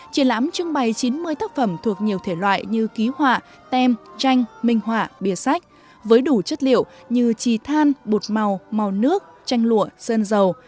triển lãm trưng bày chín mươi tác phẩm thuộc nhiều thể loại như ký họa tem tranh minh họa bia sách với đủ chất liệu như trì than bột màu màu nước tranh lụa sơn dầu